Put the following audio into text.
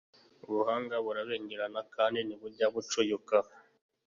Ubuhanga burabengerana kandi ntibujya bucuyuka;